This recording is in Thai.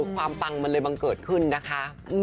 ปังมันเลยบังเกิดขึ้นนะคะ